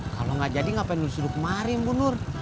kalau gak jadi ngapain lu sudah kemarin bu nur